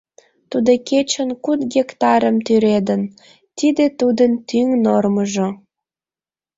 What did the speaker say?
Тудо кечын куд гектарым тӱредын, тиде тудын тӱҥ нормыжо.